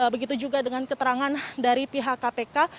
begitu juga dengan keterangan dari pihak kpk